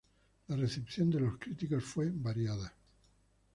La recepción de los críticos fue variada.